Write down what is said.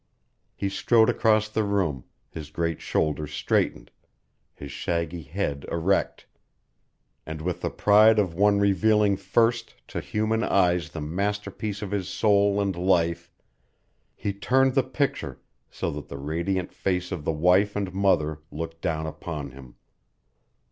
He strode across the room, his great shoulders straightened, his shaggy head erect, and with the pride of one revealing first to human eyes the masterpiece of his soul and life he turned the picture so that the radiant face of the wife and mother looked down upon him.